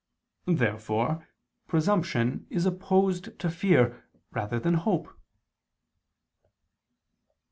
Therefore presumption is opposed to fear rather than to hope.